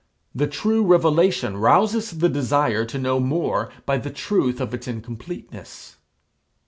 The true revelation rouses the desire to know more by the truth of its incompleteness.